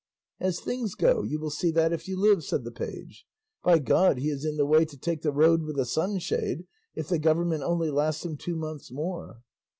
"As things go you will see that if you live," said the page; "by God he is in the way to take the road with a sunshade if the government only lasts him two months more."